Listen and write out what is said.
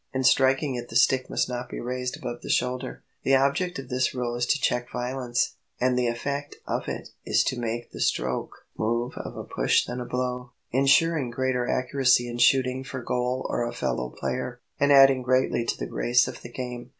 In striking it the stick must not be raised above the shoulder. The object of this rule is to check violence, and the effect of it is to make the stroke move of a push than a blow, insuring greater accuracy in shooting for goal or a fellow player, and adding greatly to the grace of the game.